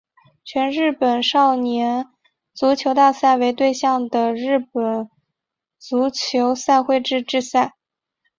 全日本少年足球大赛为对象的日本足球赛会制赛事。